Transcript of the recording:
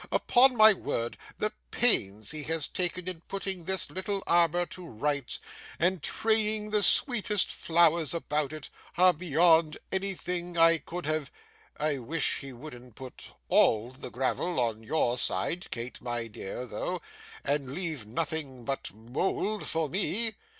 Upon my word, the pains he has taken in putting this little arbour to rights, and training the sweetest flowers about it, are beyond anything I could have I wish he wouldn't put ALL the gravel on your side, Kate, my dear, though, and leave nothing but mould for me.